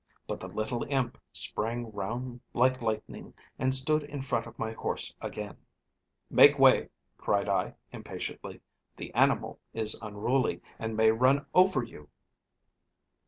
But the little imp sprang round like lightning, and stood in front of my horse again. "'Make way!' cried I impatiently, 'the animal is unruly, and may run over you.'